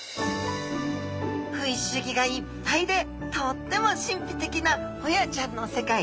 フィッシュギがいっぱいでとっても神秘的なホヤちゃんの世界。